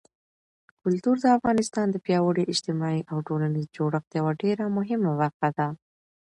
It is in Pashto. کلتور د افغانستان د پیاوړي اجتماعي او ټولنیز جوړښت یوه ډېره مهمه برخه ده.